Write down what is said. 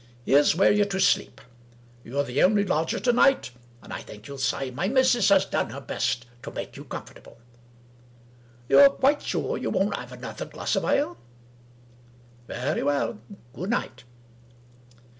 — Here's where you're to sleep. You're the only lodger to night, and I think you'll say my missus has done her best to make you comfortable. You're quite sure you won't have another ;glass of ale ?— ^Very well. Good night."